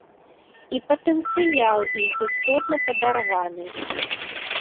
І патэнцыял іх істотна падарваны.